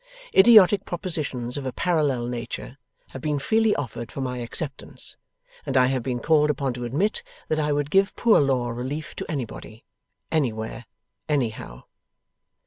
Idiotic propositions of a parallel nature have been freely offered for my acceptance, and I have been called upon to admit that I would give Poor Law relief to anybody, anywhere, anyhow.